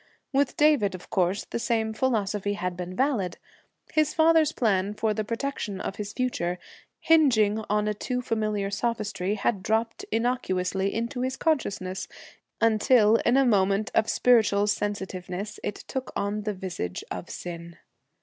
With David, of course, the same philosophy had been valid. His father's plan for the protection of his future, hingeing on a too familiar sophistry, had dropped innocuous into his consciousness, until, in a moment of spiritual sensitiveness, it took on the visage of sin.